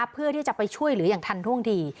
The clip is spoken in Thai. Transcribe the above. เพื่อที่จะไปช่วยเหลืออย่างทันท่วงที